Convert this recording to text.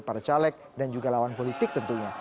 para caleg dan juga lawan politik tentunya